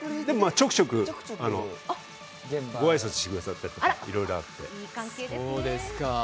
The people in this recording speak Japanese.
ちょくちょくご挨拶してくださったり、いろいろあって。